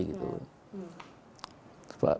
pak habibie menyebut